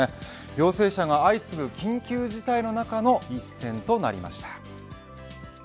陽性者が相次ぐ緊急事態の中の一戦となりました。